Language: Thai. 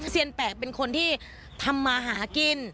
เซียนแปะเป็นคนที่ทำมาหากิน